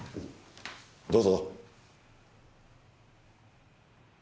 どうぞ。